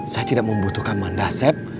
saya tidak membutuhkan mandah sep